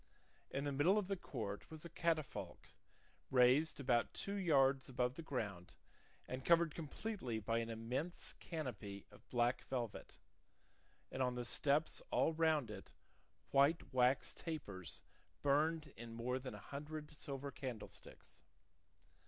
In the middle of the court was a catafalque, raised about two yards above the ground and covered completely by an immense canopy of black velvet, and on the steps all round it white wax tapers burned in more than a hundred silver candlesticks.